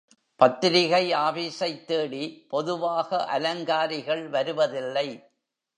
பத்திரிகை ஆபீஸைத் தேடி பொதுவாக அலங்காரிகள் வருவதில்லை.